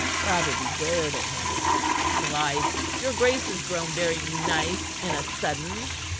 Rotherby glared at him. "'Slife! your grace is grown very nice on a sudden!"